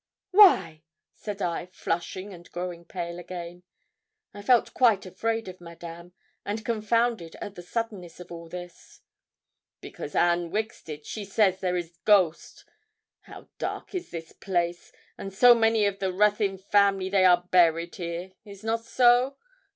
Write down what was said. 'Why?' said I, flushing and growing pale again. I felt quite afraid of Madame, and confounded at the suddenness of all this. 'Because Anne Wixted she says there is ghost. How dark is this place! and so many of the Ruthyn family they are buried here is not so?